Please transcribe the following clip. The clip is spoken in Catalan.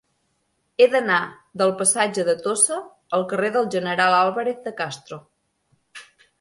He d'anar del passatge de Tossa al carrer del General Álvarez de Castro.